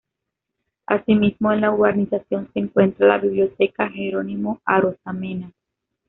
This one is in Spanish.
Asimismo en la urbanización se encuentra la Biblioteca Jerónimo Arozamena.